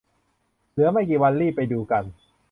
เหลือไม่กี่วัน รีบไปดูกัน